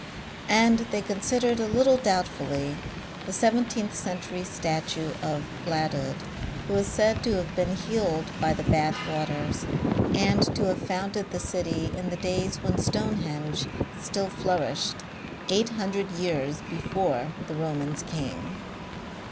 And they considered a little doubtfully the seventeenth century statue of Bladud, who is said to have been healed by the Bath waters and to have founded the city in the days when Stonehenge still flourished, eight hundred years before the Romans came.